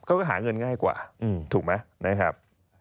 เขาก็หาเงินง่ายกว่าถูกไหมนะครับ